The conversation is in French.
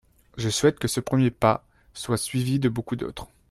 Je souhaite que ce premier pas soit suivi de beaucoup d’autres.